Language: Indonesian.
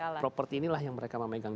jadi properti ini lah yang mereka mau megang